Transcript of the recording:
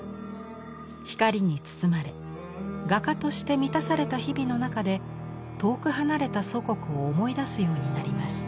光に包まれ画家として満たされた日々の中で遠く離れた祖国を思い出すようになります。